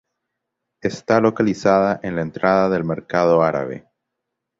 Está localizada en la entrada del mercado árabe.